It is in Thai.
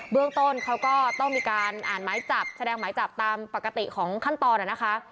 เรื่องต้นเขาก็ต้องมีการอ่านหมายจับแสดงหมายจับตามปกติของขั้นตอนนะคะ